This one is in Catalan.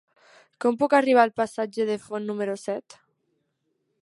Com puc arribar al passatge de Font número set?